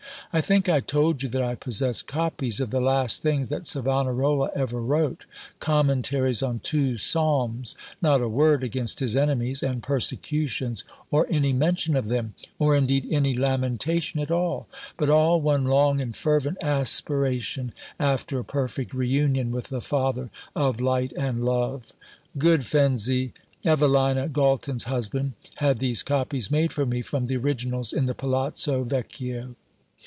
I think I told you that I possess copies of the last things that Savonarola ever wrote Commentaries on two Psalms not a word against his enemies and persecutions, or any mention of them, or indeed any lamentation at all, but all one long and fervent aspiration after a perfect re union with the Father of light and love. Good Fenzi, Evelina Galton's husband, had these copies made for me from the originals in the Palazzo Vecchio.